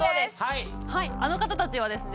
あの方たちはですね